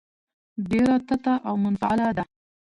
ډېره تته او منفعله ده.